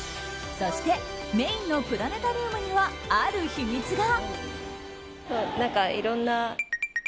そしてメインのプラネタリウムにはある秘密が。